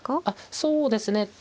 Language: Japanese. あっそうですね